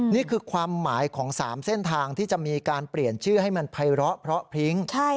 นี่คือความหมายของ๓เส้นทางที่จะมีการเปลี่ยนชื่อให้มันไพร้อเพราะพริ้ง